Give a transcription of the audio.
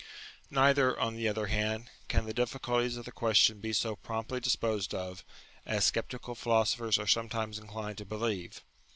Neither, on the other hand, can the difficulties of the question be so promptly disposed of, as sceptical philosophers are sometimes inclined to believe.